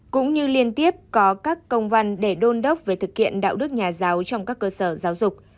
cũng như liên tiếp có các công văn để đôn đốc về thực hiện đạo đức nhà giáo trong các cơ sở giáo dục